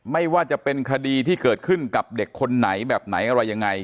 ไม่ว่าจะเป็นคดีที่เกิดขึ้นกับเด็กคนไหนแบบไหนอะไรยังไง